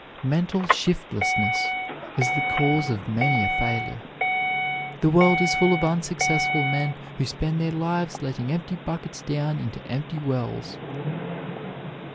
"Mental shiftlessness" is the cause of many a failure. The world is full of unsuccessful men who spend their lives letting empty buckets down into empty wells.